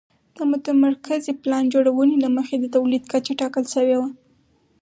د متمرکزې پلان جوړونې له مخې د تولید کچه ټاکل شوې وه